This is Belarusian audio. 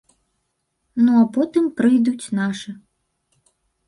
Ну а потым прыйдуць нашы.